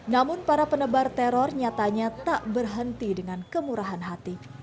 namun para penebar teror nyatanya tak berhenti dengan kemurahan hati